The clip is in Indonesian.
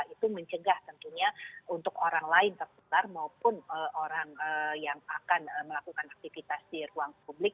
itu mencegah tentunya untuk orang lain tertular maupun orang yang akan melakukan aktivitas di ruang publik